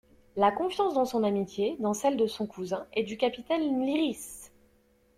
La confiance dans son amitié, dans celle de son cousin, et du capitaine Lyrisse.